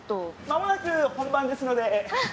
まもなく本番ですので。